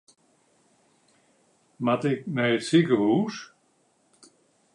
Moat ik nei it sikehûs?